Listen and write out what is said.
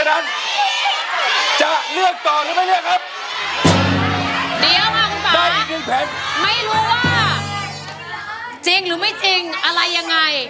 ตัวเจ้าของคุณโจ้ก็คือ